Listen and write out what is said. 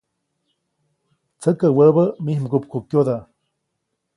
Tsäkä wäbä mij mgupkukyoda.